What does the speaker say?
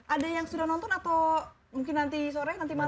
ada yang sudah nonton atau mungkin nanti sore nanti malam